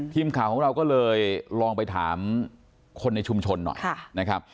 ทีมข่าวของเราก็เลยลองไปถามคนในชุมชนหน่อยนะครับ